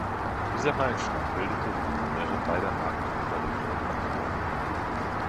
Dieser Meilenstein bildete die Premiere beider Marken in der Region Ottawa.